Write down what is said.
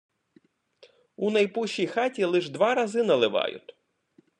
у найпущій хаті лиш два рази наливают